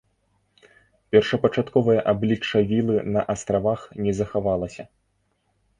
Першапачатковае аблічча вілы на астравах не захаваўся.